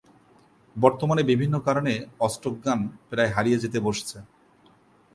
বর্তমানে বিভিন্ন কারণে অষ্টকগান প্রায় হারিয়ে যেতে বসেছে।